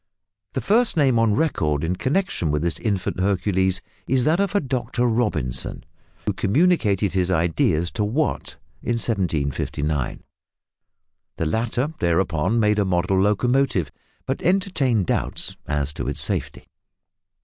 The first name on record in connexion with this infant Hercules is that of Dr Robison, who communicated his ideas to Watt in 1759. The latter thereupon made a model locomotive, but entertained doubts as to its safety.